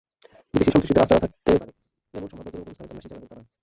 বিদেশি সন্ত্রাসীদের আস্তানা থাকতে পারে—এমন সম্ভাব্য দুর্গম স্থানে তল্লাশি চালাবেন তাঁরা।